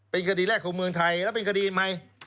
เป็นคดีแรกของเมืองไทยแล้วเป็นคดีใหม่